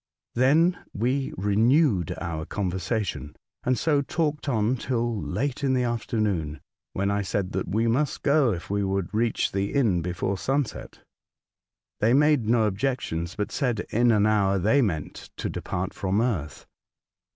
Then we re newed our conversation, and so talked on till late in the afternoon, when I said that we must go if we would reach the inn before sunset. They made no objections, but said in an hour they meant to depart from earth.